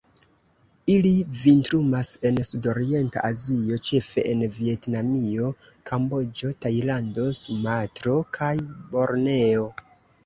Ili vintrumas en Sudorienta Azio, ĉefe en Vjetnamio, Kamboĝo, Tajlando, Sumatro kaj Borneo.